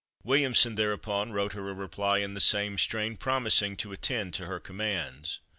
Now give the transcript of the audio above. Williamson, thereupon, wrote her a reply in the same strain, promising to attend to her commands.